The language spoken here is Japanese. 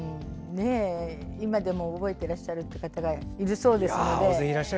今でも覚えていらっしゃる方がいるそうですので。